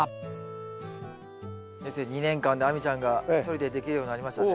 先生２年間で亜美ちゃんが一人でできるようになりましたね。